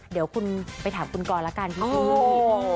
เดี๋ยวคุณไปถามคุณกรแล้วกันพี่พีคน